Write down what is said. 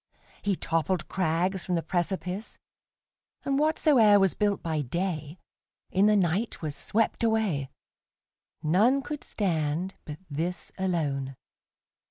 He toppled crags from the precipice, And whatsoe'er was built by dayIn the night was swept away:None could stand but this alone.